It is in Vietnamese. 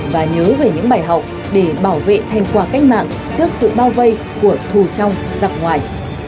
và nhớ về những bài học để bảo vệ thành quả cách mạng trước sự bao vây của thù trong giặc ngoài